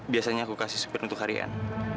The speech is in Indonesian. biasanya aku kasih supir untuk harian